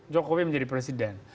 jokowi menjadi presiden